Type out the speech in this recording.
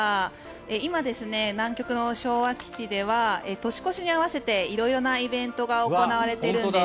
今、南極の昭和基地では年越しに合わせて色々なイベントが行われているんです。